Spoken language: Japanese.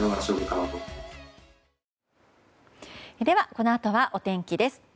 では、このあとはお天気です。